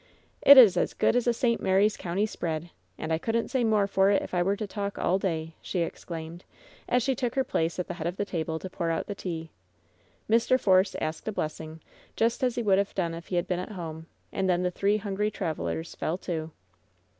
"It is as good as a St. Mary's county spread ! And I couldn't say more for it if I were to talk all day !" she exclaimed, as she took her place at the head of the table to pour out the tea. Mr. Force asked a blessing, just as he would have done if he had been at home, and then the three hungry travelers "fell to."